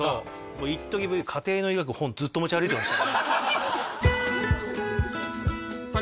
もういっとき家庭の医学の本ずっと持ち歩いてました